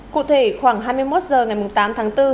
cụ thể khoảng hai mươi một h ngày tám tháng bốn